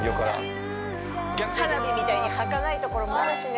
花火みたいにはかないところもあるしね